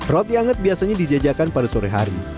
roti anget biasanya dijajakan pada sore hari